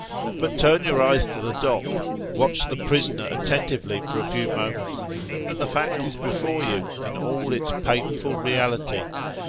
But turn your eyes to the dock ; watch the prisoner attentively for a few moments ; and the fact is before you, in all its painful reality.